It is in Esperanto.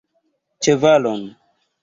Ĉevalon!